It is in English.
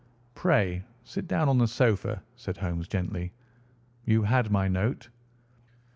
"Pray sit down on the sofa," said Holmes gently. "You had my note?"